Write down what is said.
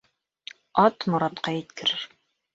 Ат моратҡа еткерер.